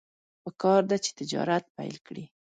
پکار ده چې تجارت پیل کړي.